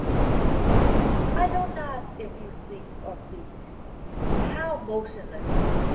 indeed I know not if you sleep or feed. How m.otionless!